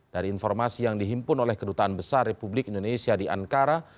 dari informasi yang dihimpun oleh kedutaan besar republik indonesia di ankara